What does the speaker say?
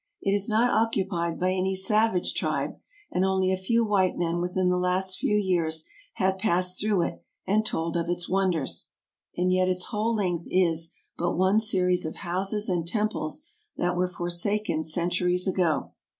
It is not occupied by any savage tribe, and only a few white men within the last {exv years have passed through it and told of its wonders ; and yet its whole length is but one series of houses and temples that were forsaken centuries ago.